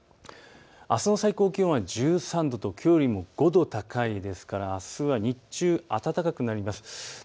あすの最高気温は１３度ときょうよりも５度高いですからあすは日中、暖かくなります。